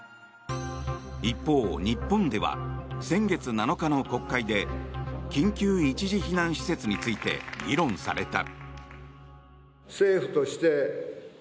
一方、日本では先月７日の国会で緊急一時避難施設について議論された。